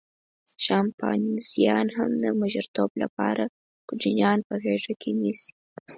شامپانزیان هم د مشرتوب لپاره کوچنیان په غېږه کې نیسي.